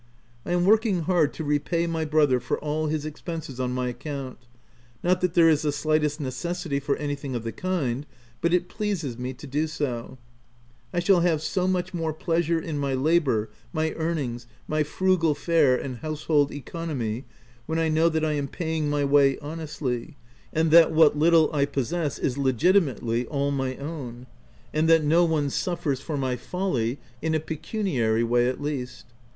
I am working hard to repay my brother for all his expenses on my account ; not that there is the slightest necessity for any thing of the kind, but it pleases me to do so : I shall have so much more pleasure in my labour, my earnings, my frugal fare, and household economy, when I know that I am paying my way honestly, and that what little I possess is legiti mately all my own ; and that no one suffers for G 2 124 THE TENANT nay folly — in a pecuniary way at least.